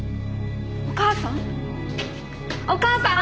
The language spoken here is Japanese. お母さん？